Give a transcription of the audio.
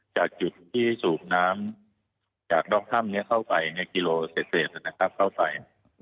จากจุดที่สูบน้ำจากดอกถ้ำเข้าไปคิโลเศษนะครับเข้าไป